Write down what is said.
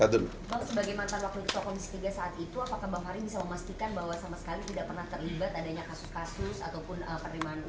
ataupun penerimaan uang